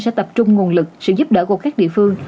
sẽ tập trung nguồn lực sự giúp đỡ của các địa phương